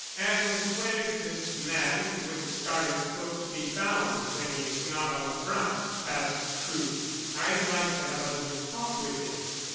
"And where is this man with the scarlet cloak to be found when he is not on the front?" asked Crewe. "I'd like to have a little talk with him."